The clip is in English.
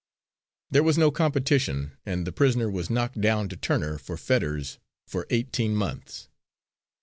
There was no competition, and the prisoner was knocked down to Turner, for Fetters, for eighteen months.